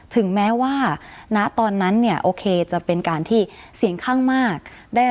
ถึงแม้ว่าณตอนนั้นเนี่ยโอเคจะเป็นการที่เสียงข้างมาก